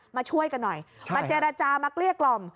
มาช่วยกันหน่อยมาเจรจามาเกลี้ยกล่อม